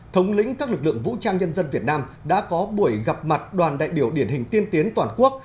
thống lĩnh các lực lượng vũ trang nhân dân việt nam đã có buổi gặp mặt đoàn đại biểu điển hình tiên tiến toàn quốc